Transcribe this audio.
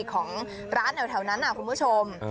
ของร้านแถวนั้นคุณผู้ชม